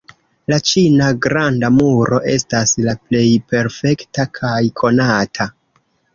La ĉina Granda Muro estas la plej perfekta kaj konata.